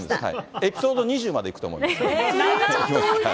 エピソード２０までいくと思います。